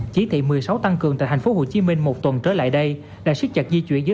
chí thị một mươi sáu tăng cường tại thành phố hồ chí minh một tuần trở lại đây là siết chặt di chuyển giữa